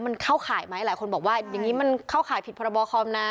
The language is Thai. มันเข้าข่ายไหมหลายคนบอกว่าอย่างนี้มันเข้าข่ายผิดพรบคอมนะ